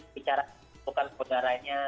bicara tentang hubungan saudaranya